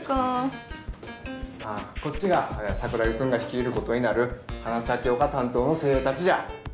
ああこっちが桜木くんが率いる事になる花咲丘担当の精鋭たちじゃ。